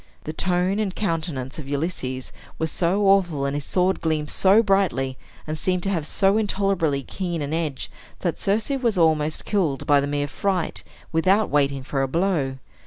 The tone and countenance of Ulysses were so awful, and his sword gleamed so brightly, and seemed to have so intolerably keen an edge, that Circe was almost killed by the mere fright, without waiting for a blow.